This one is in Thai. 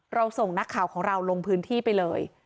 ส่งนักข่าวของเราลงพื้นที่ไปเลย